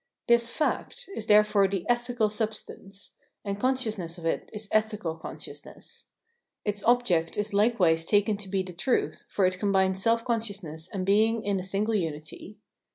This " fact " is therefore the ethical substance ; and consciousness of it is ethical consciousness. Its object is likewise taken to be the truth, for it combines self consciousness and being in 411 412 Phenomenology of Mind a single unity.